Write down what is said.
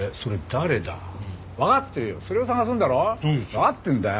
わかってんだよ。